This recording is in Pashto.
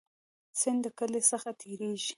سیند د کلی څخه تیریږي